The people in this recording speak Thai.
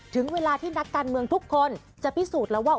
ถึงเวลาที่นักการเมืองทุกคนจะพิสูจน์แล้วว่า